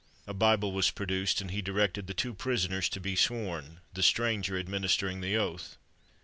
A Bible was produced; and he directed the two prisoners to be sworn, the stranger administering the oath.